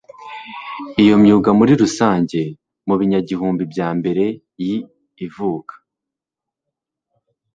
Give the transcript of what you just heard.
iyo myuga muri rusange mu binyagihumbi bya mbere y ivuka